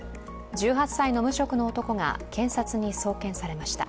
１８歳の無職の男が検察に送検されました。